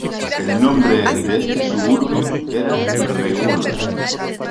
El nombre de este suburbio era "Regula".